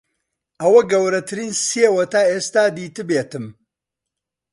ئەوە گەورەترین سێوە تا ئێستا دیتبێتم.